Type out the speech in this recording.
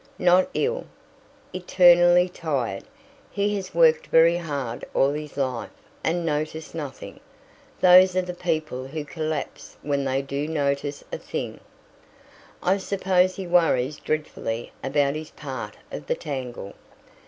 "Not ill. Eternally tired. He has worked very hard all his life, and noticed nothing. Those are the people who collapse when they do notice a thing." "I suppose he worries dreadfully about his part of the tangle."